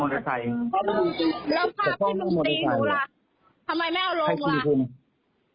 แล้วภาพที่คุณตีหนูล่ะทำไมแม่อ้าวลงละ